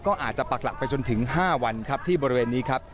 ก็อาจจะปักหลักไปจนถึง๕วันครับที่บริเวณนี้ครับ